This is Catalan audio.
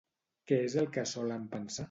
Què és el que solen pensar?